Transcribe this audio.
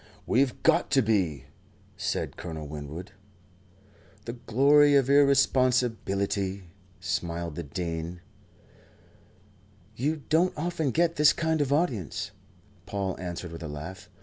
"We've got to be," said Colonel Winwood. "The glory of irresponsibility," smiled the Dean. "You don't often get this kind of audience," Paul answered with a laugh.